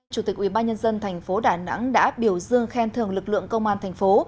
chủ tịch ubnd tp đà nẵng đã biểu dương khen thường lực lượng công an thành phố